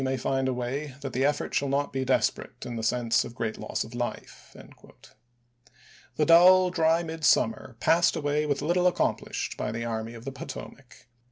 may find a way that the effort shall not be des ^y7' perate in the sense of great loss of life." The dull, dry midsummer passed away with little accomplished by the Army of the Potomac.